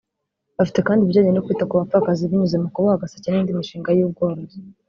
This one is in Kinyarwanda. Bafite kandi ibijyanye no kwita ku bapfakazi binyuze mu kuboha agaseke n’indi mishinga y’ubworozi